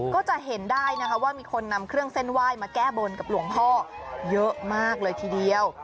ก็จะเห็นได้นะคะว่ามีคนนำเครื่องเส้นไหว้มาแก้บนกับหลวงพ่อเยอะมากเลยทีเดียว